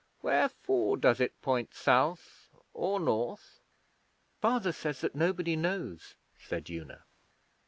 Wherefore does it point South or North?' 'Father says that nobody knows,' said Una.